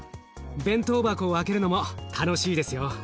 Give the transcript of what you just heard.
弁当箱を開けるのも楽しいですよ。